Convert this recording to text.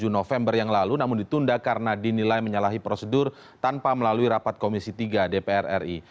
tujuh november yang lalu namun ditunda karena dinilai menyalahi prosedur tanpa melalui rapat komisi tiga dpr ri